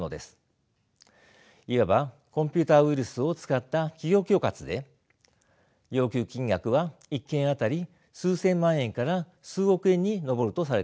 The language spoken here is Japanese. いわばコンピューターウイルスを使った企業恐喝で要求金額は１件当たり数千万円から数億円に上るとされています。